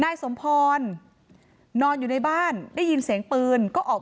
นายสาราวุธคนก่อเหตุอยู่ที่บ้านกับนางสาวสุกัญญาก็คือภรรยาเขาอะนะคะ